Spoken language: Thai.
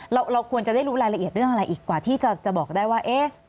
เราควรจะได้รู้รายละเอียดเรื่องอะไรอีกกว่าที่จะบอกได้ว่าเอ๊ะ